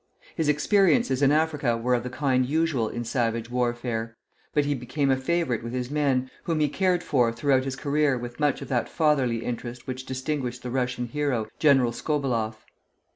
His experiences in Africa were of the kind usual in savage warfare; but he became a favorite with his men, whom he cared for throughout his career with much of that fatherly interest which distinguished the Russian hero, General Skobeleff.